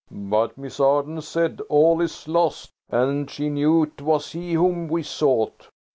"But Miss Arden said 'All is lost,' and she knew 'twas he whom we sought."